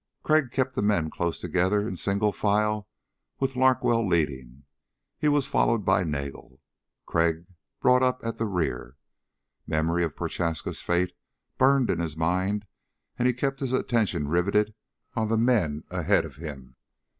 Crag kept the men close together, in single file, with Larkwell leading. He was followed by Nagel. Crag brought up at the rear. Memory of Prochaska's fate burned in his mind and he kept his attention riveted on the men ahead of him.